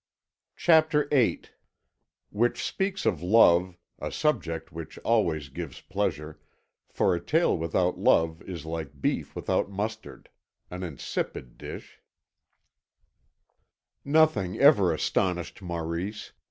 CHAPTER VIII WHICH SPEAKS OF LOVE, A SUBJECT WHICH ALWAYS GIVES PLEASURE, FOR A TALE WITHOUT LOVE IS LIKE BEEF WITHOUT MUSTARD: AN INSIPID DISH Nothing ever astonished Maurice.